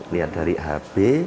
lihat dari hb